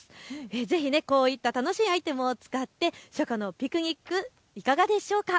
ぜひこういった楽しいアイテムを使って初夏のピクニックいかがでしょうか。